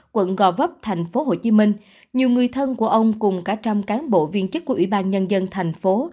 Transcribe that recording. quận gò vấp tp hcm nhiều người thân của ông cùng cả trăm cán bộ viên chức của ủy ban nhân dân thành phố